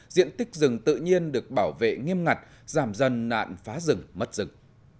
diện tích rừng tự nhiên được bảo vệ nghiêm ngặt giảm dần nạn phá rừng mất rừng